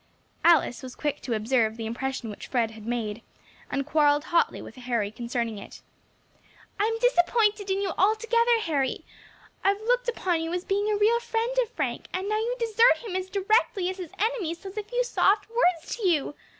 Alice was quick to observe the impression which Fred had made, and quarrelled hotly with Harry concerning it. "I am disappointed in you altogether, Harry. I have looked upon you as being a real friend of Frank, and now you desert him directly his enemy says a few soft words to you.